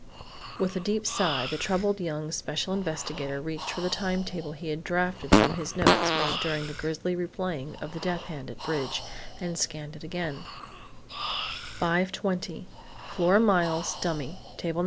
'" With a deep sigh the troubled young special investigator reached for the "Time Table" he had drafted from his notes made during the grisly replaying of the "death hand at bridge," and scanned it again: 5:20 Flora Miles, dummy, Table No.